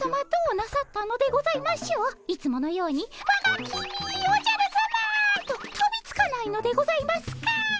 いつものように「わがきみ！おじゃるさま！」ととびつかないのでございますか？